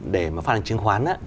để mà phát hành chứng khoán